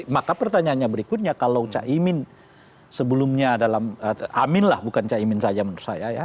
maka pertanyaannya berikutnya kalau cak imin sebelumnya dalam amin lah bukan cak imin saja menurut saya ya